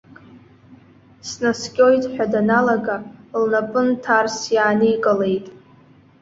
Снаскьоит ҳәа даналага, лнапы нҭарс иааникылеит.